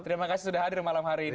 terima kasih sudah hadir malam hari ini